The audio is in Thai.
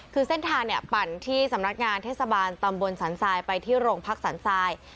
คือเส้นทางเนี่ยปั่นที่สำนักงานเทศบาลตำบลสันทรายไปที่โรงพักสันทราย